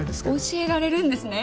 教えられるんですね？